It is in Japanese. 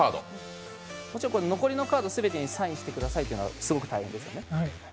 もちろん、残りカード全てにサインしてくださいというのは大変ですね。